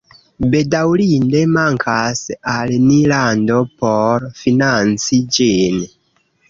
Bedaŭrinde mankas al ni lando por financi ĝin